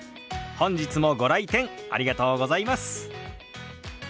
本日もご来店ありがとうございます。